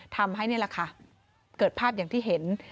ทำให้เกิดภาพอย่างที่เห็น